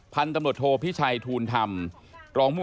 พันธุ์ตำรวจโทพิชัยทูลธรรมรอง